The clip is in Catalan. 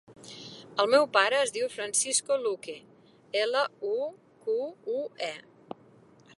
El meu pare es diu Francisco Luque: ela, u, cu, u, e.